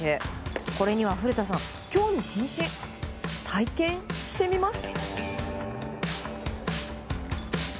これには古田さん、興味津々体験してみます。